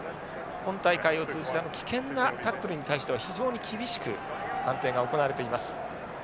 今大会を通じて危険なタックルに対しては非常に厳しく判定が行われています。